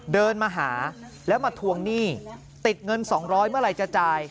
เดินมาหาแล้วมาทวงหนี้ติดเงิน๒๐๐เมื่อไหร่จะจ่าย